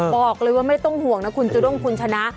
บอกเลยว่าไม่ต้องห่วงนะคุณจูด้งคุณชนะ